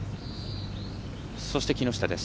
そして木下です。